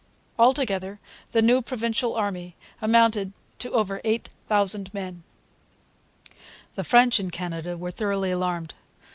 Altogether, the new Provincial army amounted to over 8,000 men. The French in Canada were thoroughly alarmed.